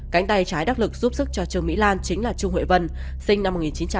cánh tay trái đắc lực giúp sức cho trương mỹ lan chính là trung huệ vân sinh năm một nghìn chín trăm tám mươi